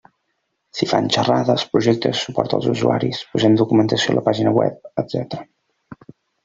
S'hi fan xerrades, projectes, suport als usuaris, posem documentació a la pàgina Web, etc.